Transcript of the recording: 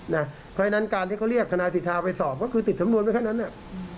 เพราะฉะนั้นการที่เขาเรียกทนายสิทธาไปสอบก็คือติดสำนวนไว้แค่นั้นเนี่ย